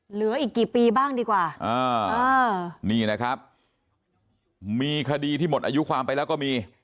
เหลืออีกกี่ปีบ้างดีกว่านี่นะครับมีคดีที่หมดอายุความไปแล้วก็มี